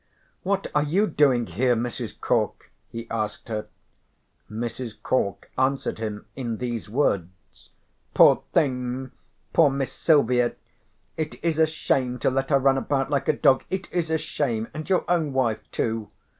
"What are you doing here, Mrs. Cork?" he asked her. Mrs. Cork answered him in these words: "Poor thing. Poor Miss Silvia! It is a shame to let her run about like a dog. It is a shame, and your own wife too.